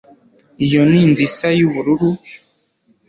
iyo ni inzu isa yubururu